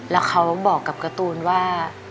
แล้วเขาบอกกับการ์ตูนว่า